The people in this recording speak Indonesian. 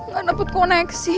gak dapet koneksi